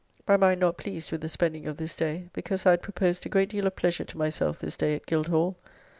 My mind not pleased with the spending of this day, because I had proposed a great deal of pleasure to myself this day at Guildhall.